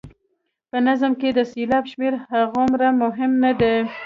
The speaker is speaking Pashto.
په نظم کې د سېلاب شمېر هغومره مهم نه دی.